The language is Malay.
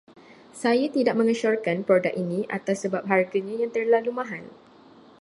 Saya tidak mengesyorkan produk ini atas sebab harganya yang terlalu mahal.